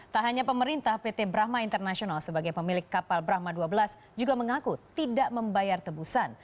tak hanya pemerintah pt brahma international sebagai pemilik kapal brahma dua belas juga mengaku tidak membayar tebusan